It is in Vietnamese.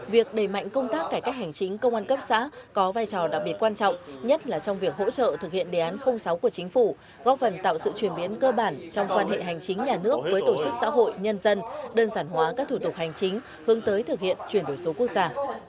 việc đẩy mạnh công tác cải cách hành chính công an cấp xã có vai trò đặc biệt quan trọng nhất là trong việc hỗ trợ thực hiện đề án sáu của chính phủ góp phần tạo sự chuyển biến cơ bản trong quan hệ hành chính nhà nước với tổ chức xã hội nhân dân đơn giản hóa các thủ tục hành chính hướng tới thực hiện chuyển đổi số quốc gia